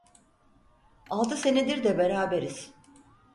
Altı senedir de beraberiz…